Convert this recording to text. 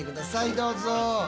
どうぞ。